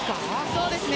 そうですね。